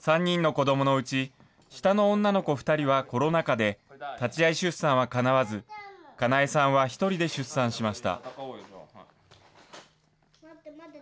３人の子どものうち、下の女の子２人はコロナ禍で、立ち会い出産はかなわず、香奈江さんは１人で出産しました。